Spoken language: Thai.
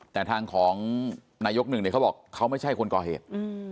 แต่ทางของนายยก๑เขาบอกเขาไม่ใช่คนก่อเหตุ